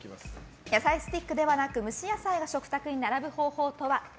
野菜スティックではなく蒸し野菜が食卓に並ぶ方法とは？